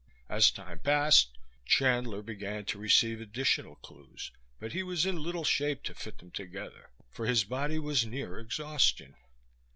As time passed, Chandler began to receive additional clues, but he was in little shape to fit them together, for his body was near exhaustion.